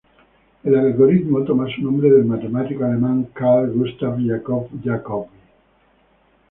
El algoritmo toma su nombre del matemático alemán Carl Gustav Jakob Jacobi.